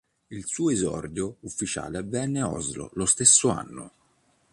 Il suo esordio ufficiale avvenne a Oslo lo stesso anno.